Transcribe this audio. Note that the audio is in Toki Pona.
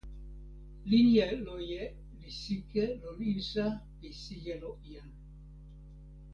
linja loje li sike lon insa pi sijelo jan.